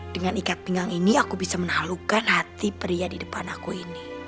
dengan ikat pinggang ini aku bisa menalukan hati pria di depan aku ini